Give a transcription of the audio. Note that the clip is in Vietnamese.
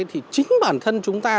thì chính bản thân chúng ta